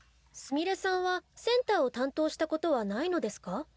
すみれさんはセンターを担当したことはないのですか？